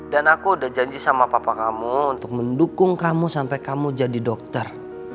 dan aku udah janji sama papa kamu untuk mendukung kamu sampai kamu jadi dokter